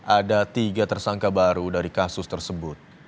ada tiga tersangka baru dari kasus tersebut